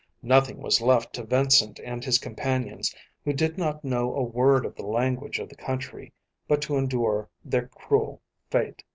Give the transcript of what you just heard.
Nothing was left to Vincent and his companions, who did not know a word of the language of the country, but to endure their cruel fate.